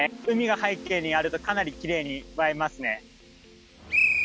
海が背景にあるとかなりきれいに映えますね。